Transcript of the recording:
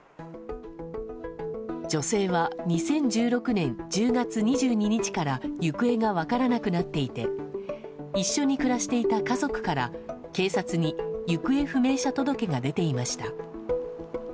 女性は２０１６年１０月２２日から行方が分からなくなっていて一緒に暮らしていた家族から警察に行方不明者届が出ていました。